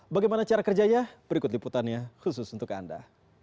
bagaimana cara kerjanya berikut liputannya khusus untuk anda